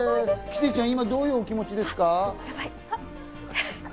キティちゃん、今、どういうお気持ちですか？